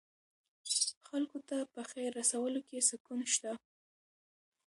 خلکو ته په خیر رسولو کې سکون شته.